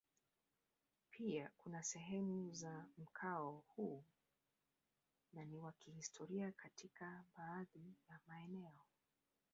Pia kuna sehemu za mkoa huu ni wa kihistoria katika baadhi ya maeneo.